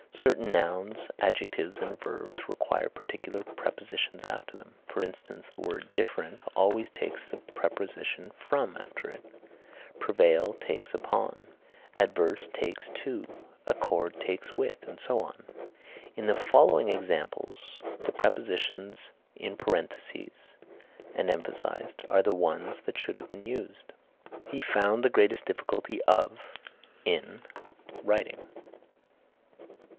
Certain nouns, adjectives and verbs require particular prepositions after them, for instance, the word different always takes the preposition from after it; prevail takes upon; averse takes to; accord takes with, and so on. In the following examples the prepositions in parentheses are the ones that should have been used: "He found the greatest difficulty of (in) writing."